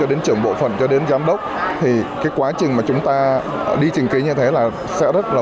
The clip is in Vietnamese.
đến trưởng bộ phận cho đến giám đốc thì cái quá trình mà chúng ta đi trình kế như thế là sẽ rất là